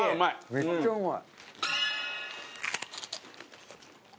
めっちゃうまい！